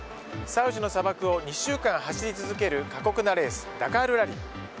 サウジの砂漠を２週間走り続ける過酷なレース、ダカール・ラリー。